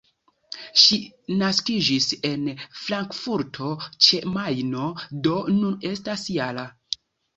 Ŝi naskiĝis en Frankfurto-ĉe-Majno, do nun estas -jara.